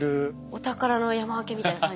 お宝の山分けみたいな感じ。